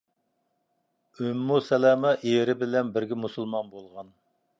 ئۇممۇ سەلەمە — ئېرى بىلەن بىرگە مۇسۇلمان بولغان.